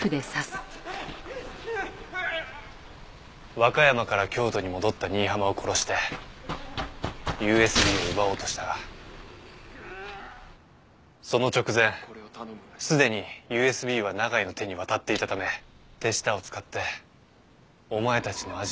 和歌山から京都に戻った新浜を殺してＵＳＢを奪おうとしたがその直前すでにＵＳＢは永井の手に渡っていたため手下を使ってお前たちのアジトを割り出させて。